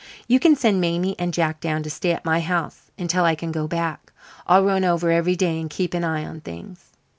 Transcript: You can send Mamie and Jack down to stay at my house until I can go back. I'll run over every day and keep an eye on things."